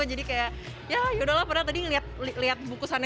jadi kayak yaudahlah pernah tadi lihat bukusannya